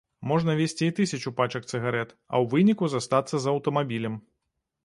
Можна везці і тысячу пачак цыгарэт, а ў выніку застацца з аўтамабілем.